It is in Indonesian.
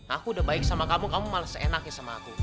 aku udah baik sama kamu kamu malah seenaknya sama aku